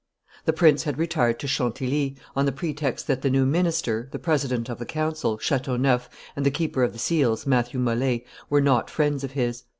The prince had retired to Chantilly, on the pretext that the new minister, the president of the council, Chateauneuf, and the keeper of the seals, Matthew Mole, were not friends of his.